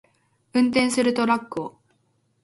運転するトラックを